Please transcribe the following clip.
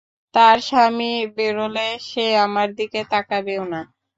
তার স্বামী বেরোলে, সে আমার দিকে তাকাবেও না।